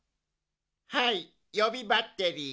はいよびバッテリー。